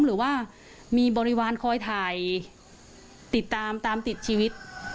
หรือว่ามีบริวารคอยถ่ายติดตามตามติดชีวิต